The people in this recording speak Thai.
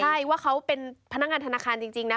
ใช่ว่าเขาเป็นพนักงานธนาคารจริงนะ